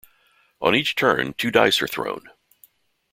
On each turn two dice are thrown.